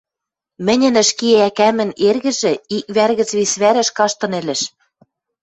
Мӹньӹн ӹшке ӓкӓмӹн эргӹжӹ ик вӓр гӹц вес вӓрӹш каштын ӹлӹш.